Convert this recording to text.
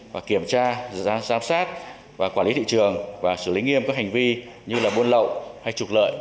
và kiểm tra giám sát và quản lý thị trường và xử lý nghiêm các hành vi như là buôn lậu hay trục lợi